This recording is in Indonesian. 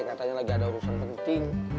katanya lagi ada urusan penting